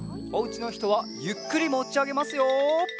おうちのひとはゆっくりもちあげますよ。